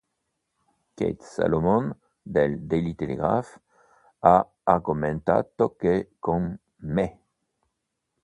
Kate Solomon del "Daily Telegraph" ha argomentato che con "Me!